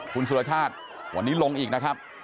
คุณสุรชาติวันนี้ลงอีกนะครับ